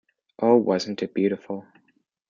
Oh, wasn’t it beautiful?